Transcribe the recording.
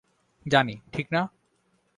জানি, ঠিক না?